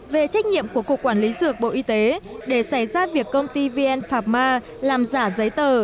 về trách nhiệm của cục quản lý dược bộ y tế để xảy ra việc công ty vn phạc ma làm giả giấy tờ